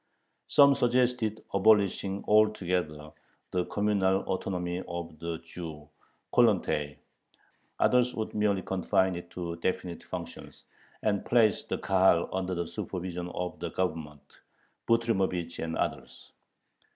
Some suggested abolishing altogether the communal autonomy of the Jews (Kollontay); others would merely confine it to definite functions, and place the Kahal under the supervision of the Government (Butrymovich and others).